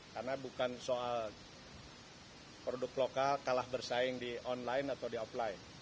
karena bukan soal produk lokal kalah bersaing di online atau di offline